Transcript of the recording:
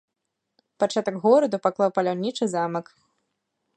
Пачатак гораду паклаў паляўнічы замак.